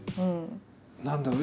何だろう